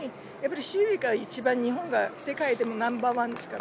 守備が一番、日本が世界でもナンバー１ですから。